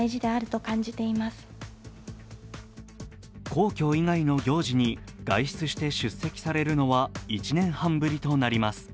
皇居以外の行事に外出して出席されるのは１年半ぶりとなります。